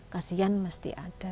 kasian mesti ada